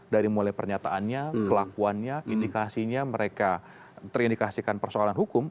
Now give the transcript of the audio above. dari mulai pernyataannya kelakuannya indikasinya mereka terindikasikan persoalan hukum